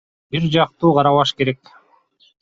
Бир жактуу карабаш керек.